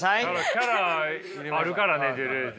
キャラあるからねドゥルーズ